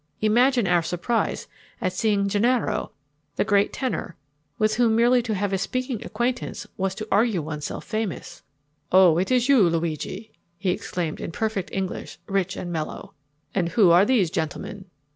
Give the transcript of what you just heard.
Imagine our surprise at seeing Gennaro, the great tenor, with whom merely to have a speaking acquaintance was to argue oneself famous. "Oh, it is you, Luigi," he exclaimed in perfect English, rich and mellow. "And who are these gentlemen?"